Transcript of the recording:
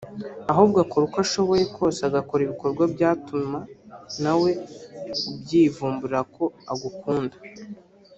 ahubwo akora uko ashoboye kose agakora ibikorwa byatuma nawe ubyivumburira ko agukunda